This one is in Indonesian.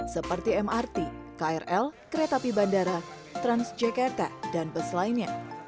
seperti mrt krl kereta api bandara transjakarta dan bus lainnya